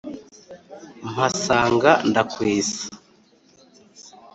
mpasanga ndakwesa.